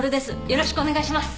よろしくお願いします。